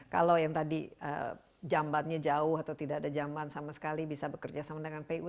kalau yang tadi jambatnya jauh atau tidak ada jamban sama sekali bisa bekerja sama dengan pu